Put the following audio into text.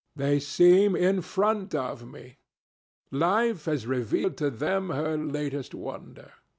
They seem in front of me. Life has revealed to them her latest wonder.